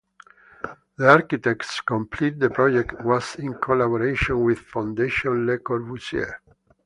The architects completed the project was in collaboration with Fondation Le Corbusier.